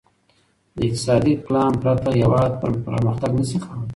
له اقتصادي پلان پرته هېواد پرمختګ نشي کولای.